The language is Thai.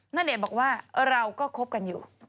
ณเดชน์บอกว่าเราก็คบกันอยู่